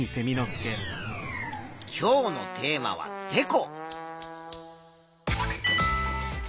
今日のテーマはてこ。